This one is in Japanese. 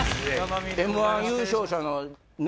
Ｍ−１優勝者のね